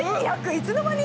いつの間に？